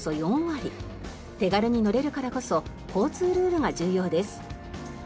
手軽に乗れるからこそ交通ルールが重要です。